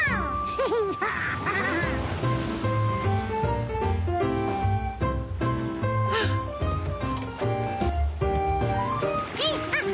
ヘイハッハ。